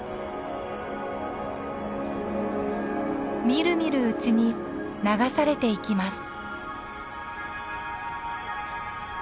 みるみるうちに流されていきます。